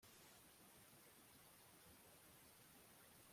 ubuto bw'isha ntibusobanura inzara